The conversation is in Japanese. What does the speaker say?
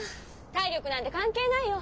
体力なんて関係ないよ。